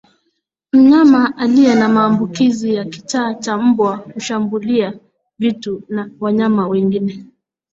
Mnyama aliye na maambukizi ya kichaa cha mbwa hushambulia vitu na wanyama wengine